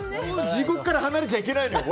地獄から離れちゃいけないのよ。